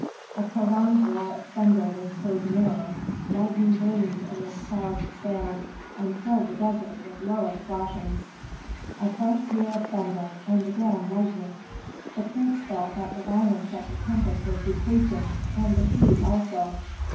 A prolonged roar of thunder was heard nearer; lightning gleamed amid clouds of sand, and filled the desert with lurid flashes. A fresh peal of thunder, and again lightning. The prince felt that the violence of the tempest was decreasing, and the heat also.